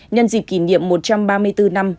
nhân dịp kỷ niệm một trăm ba mươi bốn năm